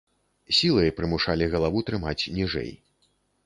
Сілай прымушалі галаву трымаць ніжэй.